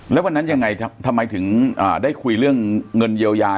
แล้ววันนั้นยังไงทำไมถึงได้คุยเรื่องเงินเยียวยา